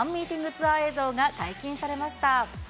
ツアー映像が解禁されました。